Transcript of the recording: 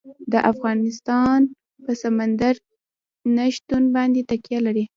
افغانستان په سمندر نه شتون باندې تکیه لري.